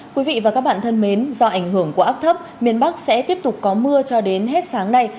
quý vị và các bạn thân mến do ảnh hưởng của áp thấp miền bắc sẽ tiếp tục có mưa cho đến hết sáng nay